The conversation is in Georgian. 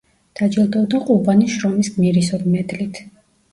დაჯილდოვდა ყუბანის შრომის გმირის მედლით.